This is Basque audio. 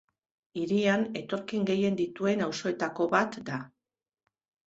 Hirian etorkin gehien dituen auzoetako bat da.